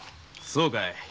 そうかい。